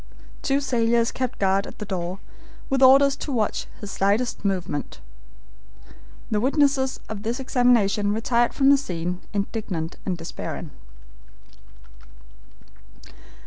Two sailors kept guard at the door, with orders to watch his slightest movement. The witnesses of this examination retired from the scene indignant and despairing.